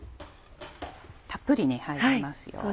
たっぷり入りますよ。